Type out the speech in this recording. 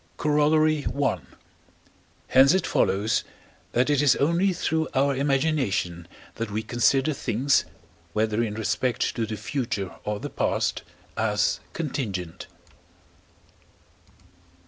Corollary I. Hence it follows, that it is only through our imagination that we consider things, whether in respect to the future or the past, as contingent.